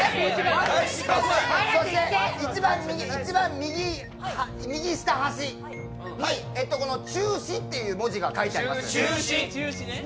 一番右下端に、中止という文字が書いてあります。